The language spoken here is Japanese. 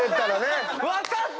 分かった！